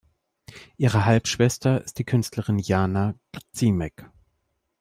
Ihre Halbschwester ist die Künstlerin Jana Grzimek.